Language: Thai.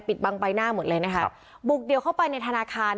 ปิดบังใบหน้าเหมือนแหละนะคะบุกเดี่ยวเข้าไปในธนาคาร